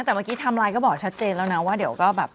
แต่เมื่อกี้ไทม์ไลน์ก็บอกชัดเจนแล้วนะว่าเดี๋ยวก็แบบ